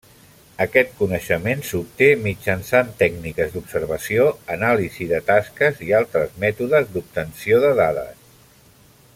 Aquest coneixement s'obté mitjançant tècniques d'observació, anàlisi de tasques i altres mètodes d'obtenció de dades.